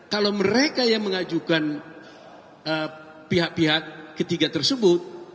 kalau mereka yang mengajukan pihak pihak ketiga tersebut